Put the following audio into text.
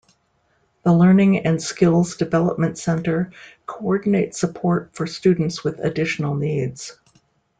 The Learning and Skills Development Centre co-ordinates support for students with additional needs.